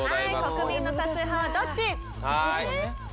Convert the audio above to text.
国民の多数派はどっち？